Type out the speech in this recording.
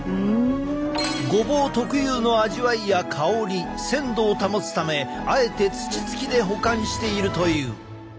ごぼう特有の味わいや香り鮮度を保つためあえて土つきで保管しているという。